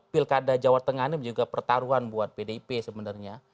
pilkada jawa tengah ini juga pertaruhan buat pdip sebenarnya